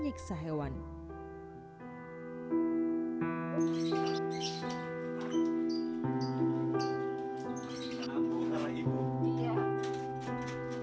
sehingga kekuatan hewan ini bisa diperoleh oleh para pelaku penyiksa hewan